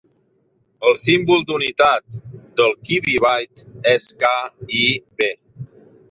El símbol d'unitat del kibibyte és KiB.